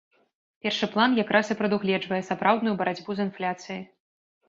Першы план якраз і прадугледжвае сапраўдную барацьбу з інфляцыяй.